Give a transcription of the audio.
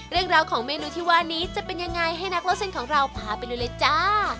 เรื่องราวของเมนูที่ว่านี้จะเป็นยังไงให้นักเล่าเส้นของเราพาไปดูเลยจ้า